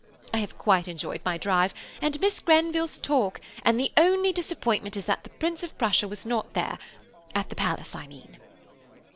I have quite enjoyed my drive, and Miss Grenville's talk, and the only disappointment is that the Prince of Prussia was not there–at the Palace, I mean."